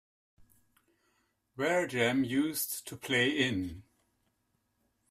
Waregem used to play in.